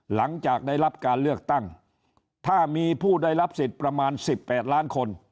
หลังจากได้รับการเลือกตั้งถ้ามีผู้ได้รับสิทธิ์ประมาณ๑๘ล้านคน